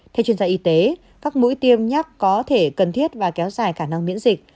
theo chuyên gia y tế các mũi tiêm nhắc có thể cần thiết và kéo dài khả năng miễn dịch